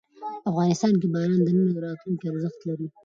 افغانستان کې باران د نن او راتلونکي ارزښت لري.